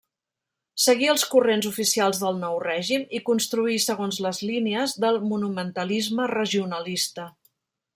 Seguí els corrents oficials del nou règim i construí segons les línies del monumentalisme regionalista.